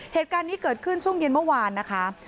เหตุการณ์นี้เกิดขึ้นช่วงเย็นเมื่อวานนะคะ